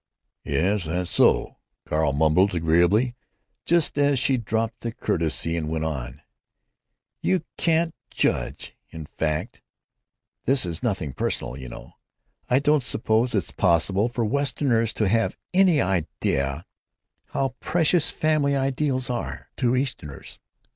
"Yes, that's so," Carl mumbled, agreeably, just as she dropped the courtesy and went on: "——you can't judge—in fact (this is nothing personal, you know) I don't suppose it's possible for Westerners to have any idea how precious family ideals are to Easterners.